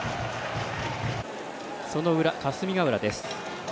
その裏、霞ヶ浦です。